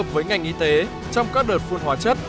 với ngành y tế trong các đợt phun hóa chất